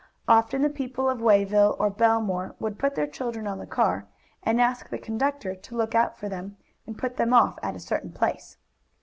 Often the people of Wayville or Bellemere would put their children on the car, and ask the conductor to look out for them, and put them off at a certain place.